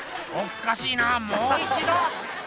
「おっかしいなもう一度」